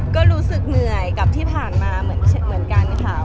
ก็รู้สึกเหนื่อยกับที่ผ่านมาเหมือนกันค่ะ